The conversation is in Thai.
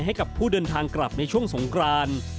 ให้กับผู้เดินทางกลับในช่วงสงคราน